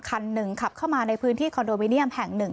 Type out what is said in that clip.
คันหนึ่งขับเข้ามาในพื้นที่คอนโดมิเนียมแห่งหนึ่ง